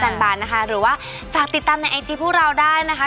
แล้วก็อยากอัปเดตกับเรานี้นะคะ